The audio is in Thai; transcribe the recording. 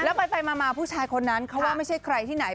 แล้วไปมาผู้ชายคนนั้นเขาว่าไม่ใช่ใครที่ไหน